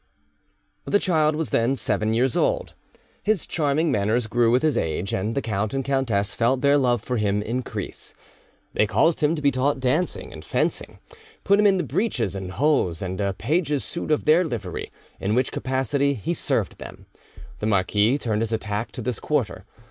The child was then seven years old. His charming manners grew with his age, and the count and countess felt their love for him increase. They caused him to be taught dancing and fencing, put him into breeches and hose, and a page's suit of their livery, in which capacity he served them. The marquis turned his attack to this quarter.